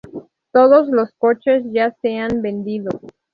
Todos los coches ya se han vendido.